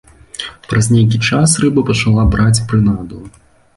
Праз нейкі час рыба пачала браць прынаду.